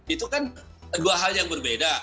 itu kan dua hal yang berbeda